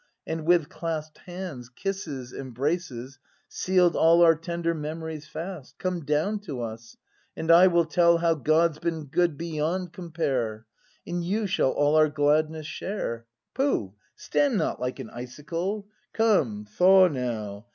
And with clasp'd hands, kisses, embraces Seal'd all our tender memories fast! Come down to us, and I will tell How God's been good beyond compare — And you shall all our gladness share ! Pooh, stand not like an icicle! Come, thaw now!